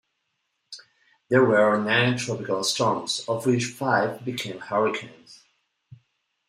There were nine tropical storms, of which five became hurricanes.